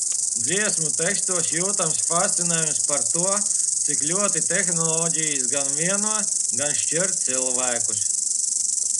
Dziesmu tekstos jūtams fascinējums par to, cik ļoti tehnoloģijas gan vieno, gan šķir cilvēkus.